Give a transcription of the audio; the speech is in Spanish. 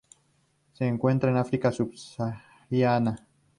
Se encuentra en África subsahariana